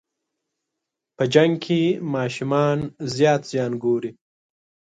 په جنګ کې ماشومان زیات زیان ګوري.